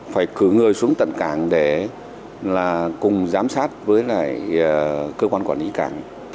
phải cử người xuống tận cảng để là cùng giám sát với lại cơ quan quản lý cảng